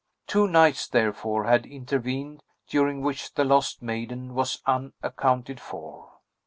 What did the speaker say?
Two nights, therefore, had intervened, during which the lost maiden was unaccounted for.